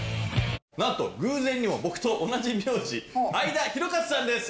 なんと偶然にも僕と同じ名字相田紘克さんです。